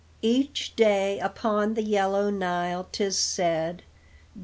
Each day upon the yellow Nile, 'tis said.